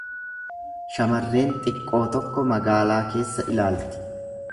Shamarreen xiqqoo tokko magaalaa keessa ilaalti.